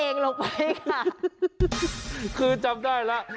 น่าจำได้ล้ะ